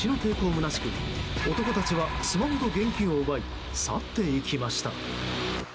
むなしく男たちはスマホと現金を奪い去っていきました。